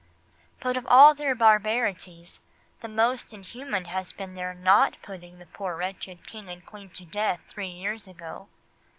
"But of all their barbarities the most inhuman has been their not putting the poor wretched King and Queen to death three years ago.